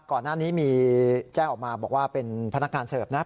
ก่อนหน้านี้มีแจ้งออกมาบอกว่าเป็นพนักงานเสิร์ฟนะ